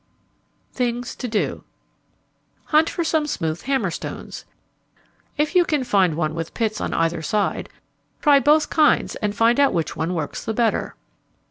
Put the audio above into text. THINGS TO DO _Hunt for some smooth hammer stones. If you can find one with pits on either side, try both kinds and find out which one works the better.